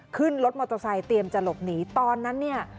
ขึ้นรถมอเตอร์ไซค์เตรียมจะหลบหนีตอนนั้นเนี่ย